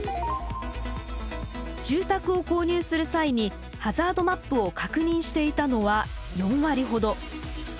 住宅を購入する際にハザードマップを確認していたのは４割ほど。